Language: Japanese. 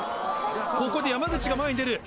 ここで山口が前に出る。